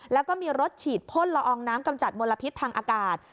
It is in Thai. แล้วก็มีรถฉีดพ่นละอองน้ำกำจัดมลพิษทางอากาศ